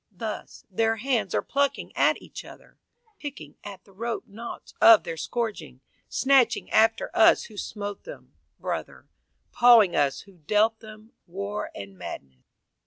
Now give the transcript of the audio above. Thus their hands are plucking at each other; Picking at the rope knouts of their scourging; Snatching after us who smote them, brother, Pawing us who dealt them war and madness.